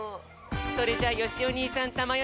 それじゃあよしお兄さんたまよ